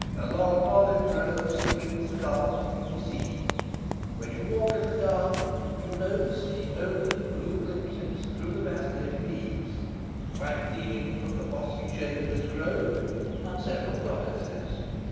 A long olive grove secretes the garden from the sea. When you walk in the garden, you know the sea only in blue glimpses through the vacillating leaves. White gleaming from the bosky shade of this grove are several goddesses.